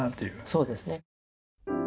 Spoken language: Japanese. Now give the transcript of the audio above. そうですね。